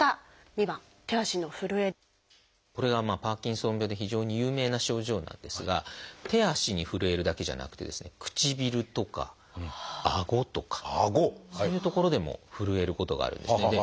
これがパーキンソン病で非常に有名な症状なんですが手足にふるえるだけじゃなくてですね唇とかあごとかそういう所でもふるえることがあるんですね。